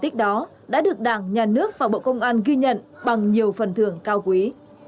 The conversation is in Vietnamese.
tích đó đã được đảng nhà nước và bộ công an ghi nhận bằng nhiều phần thưởng cao quý